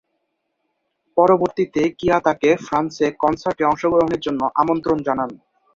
পরবর্তীতে কিয়া তাকে ফ্রান্সে কনসার্টে অংশগ্রহণের জন্যে আমন্ত্রণ জানান।